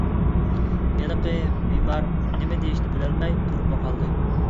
ھېلىقى بىمار نېمە دېيىشىنى بىلەلمەي تۇرۇپلا قالدى.